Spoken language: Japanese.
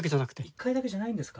１回だけじゃないんですか。